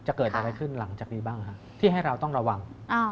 จะเกิดอะไรขึ้นหลังจากนี้บ้างที่ให้เราต้องระวัง